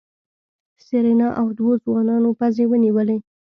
سېرېنا او دوو ځوانانو پزې ونيولې.